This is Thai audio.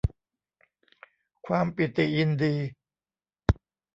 ความปิติยินดี